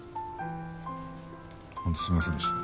本当すいませんでした。